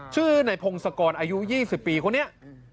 ชื่อในพงศกรอายุ๒๐ปีคนนี้